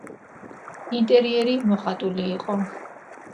ინტერიერი მოხატული იყო.